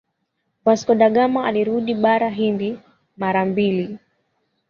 Vasco da Gama alirudi bara hindi mara mbili